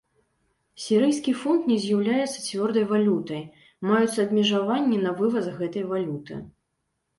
Сірыйскі фунт не з'яўляецца цвёрдай валютай, маюцца абмежаванні на вываз гэтай валюты.